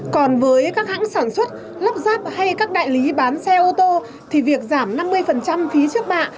còn với các hãng sản xuất lắp ráp hay các đại lý bán xe ô tô thì việc giảm năm mươi phí trước bạ